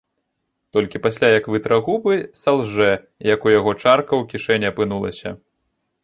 Толькі пасля, як вытра губы, салжэ, як у яго чарка ў кішэні апынулася.